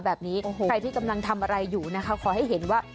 ใครที่กำลังทำอะไรอยู่ขอให้เห็นว่า